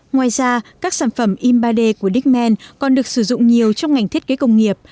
ngoài ra các sản phẩm in ba d của diemen còn được sử dụng nhiều trong ngành thiết kế công nghiệp